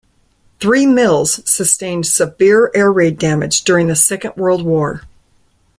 Three Mills sustained severe air-raid damage during the Second World War.